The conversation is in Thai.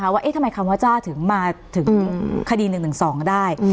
อยากกล่าวว่าทำไมคำว่าจ้าถึงขดี๑๑๒ก็ได้